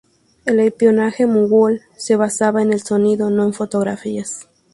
El espionaje Mogul se basaba en el sonido, no en fotografías.